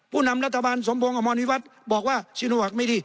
ผู้นำรัฐบาลสมโพงอมรวมวิวัตน์บอกว่าซีโนแวกไม่ดี